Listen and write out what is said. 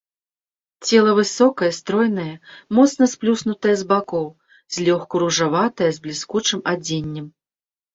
Цела высокае, стройнае, моцна сплюснутае з бакоў, злёгку ружаватае з бліскучым адценнем.